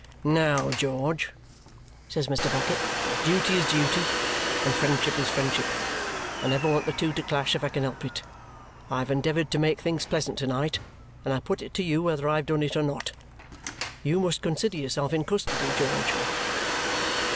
"Now, George," says Mr. Bucket, "duty is duty, and friendship is friendship. I never want the two to clash if I can help it. I have endeavoured to make things pleasant to night, and I put it to you whether I have done it or not. You must consider yourself in custody, George."